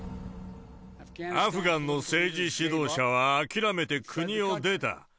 アフガンの政治指導者は諦めて国を出た。